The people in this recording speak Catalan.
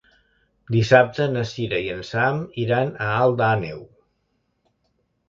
Dissabte na Cira i en Sam iran a Alt Àneu.